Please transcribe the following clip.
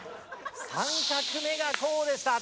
３画目がこうでした。